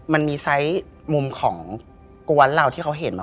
มันมีไซส์มุมของกวนเราที่เขาเห็นมา